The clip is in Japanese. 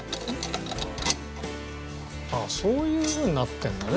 そういうふうになってるんだね。